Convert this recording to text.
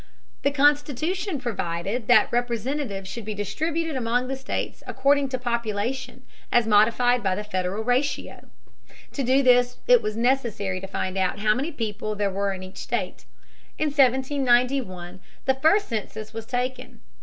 The Constitution provided that representatives should be distributed among the states according to population as modified by the federal ratio (p. 142). To do this it was necessary to find out how many people there were in each state. In 1791 the first census was taken.